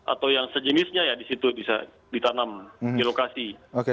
atau yang sejenisnya ya di situ bisa ditanam di lokasi